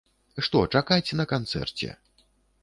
Што чакаць на канцэрце?